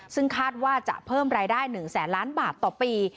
ซึ่งคาดว่าจะเพิ่มรายได้๑แสนล้านบาทต่อปี